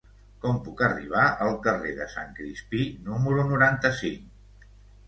Com puc arribar al carrer de Sant Crispí número noranta-cinc?